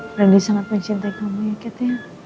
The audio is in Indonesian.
brandi sangat mencintai kamu ya kat ya